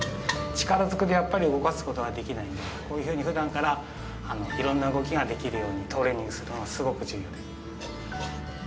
力ずくでやっぱり動かすことはできないのでこういうふうに普段からいろんな動きができるようにトレーニングするのがすごく重要です。